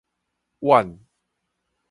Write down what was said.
宛